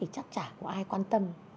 chắc chả có ai quan tâm